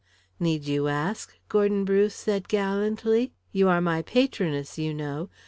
"Need you ask?" Gordon Bruce said gallantly. "You are my patroness, you know.